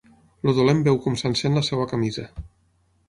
El dolent veu com s'encén la seva camisa.